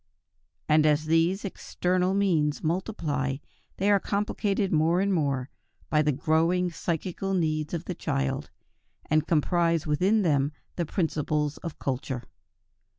And as these external means multiply, they are complicated more and more by the growing psychical needs of the child, and comprise within themselves the principles of culture.